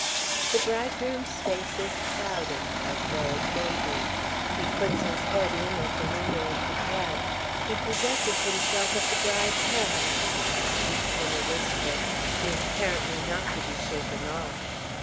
The bridegroom's face is clouded, as well it may be. He puts his head in at the window of the cab; he possesses himself of the bride's hand; he speaks in a whisper; he is apparently not to be shaken off.